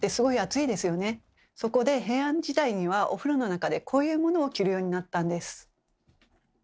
そこで平安時代にはお風呂の中でこういうものを着るようになったんです。